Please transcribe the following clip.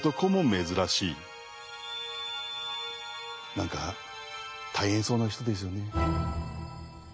何か大変そうな人ですよね。